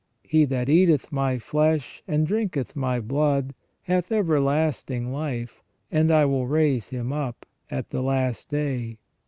He that eateth My flesh, and drinketh My blood, hath everlasting life, and I will raise him up at the last day.